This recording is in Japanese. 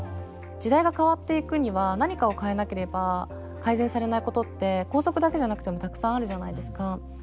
時代が変わっていくには何かを変えなければ改善されないことって校則だけじゃなくてもたくさんあるじゃないですか。